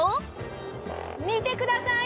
見てください！